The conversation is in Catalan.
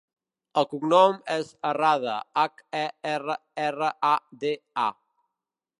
El cognom és Herrada: hac, e, erra, erra, a, de, a.